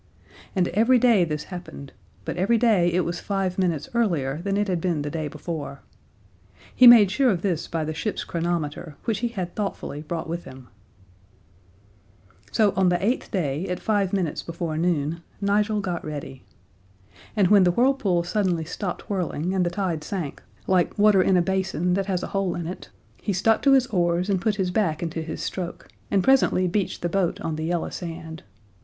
And every day this happened, but every day it was five minutes earlier than it had been the day before. He made sure of this by the ship's chronometer, which he had thoughtfully brought with him. [Illustration: "The Lone Tower on the Island of the Nine Whirlpools." See page 88.] So on the eighth day, at five minutes before noon, Nigel got ready. And when the whirlpools suddenly stopped whirling and the tide sank, like water in a basin that has a hole in it, he stuck to his oars and put his back into his stroke, and presently beached the boat on the yellow sand.